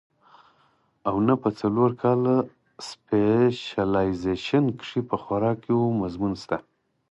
او نۀ پۀ څلور کاله سپېشلائزېشن کښې پۀ خوراک يو مضمون شته